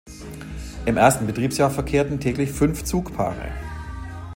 Im ersten Betriebsjahr verkehrten täglich fünf Zugpaare.